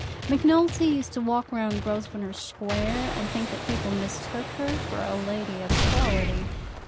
Macnulty used to walk round Grosvenor Square and think that people mistook her for a lady of quality.